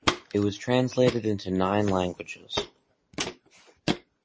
It was translated into nine languages.